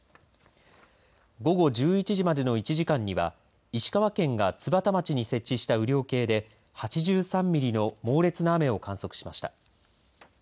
午後１１時までの１時間には石川県が津幡町に設置した雨量計で８３ミリの猛烈な雨を観測しました。